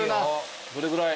どれぐらい？